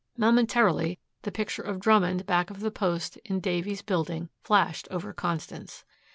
Momentarily the picture of Drummond back of the post in Davies' building flashed over Constance.